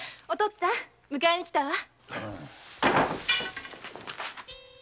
っつぁん迎えに来たわ。